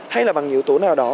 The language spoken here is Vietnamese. hay là bằng yếu tố nào đó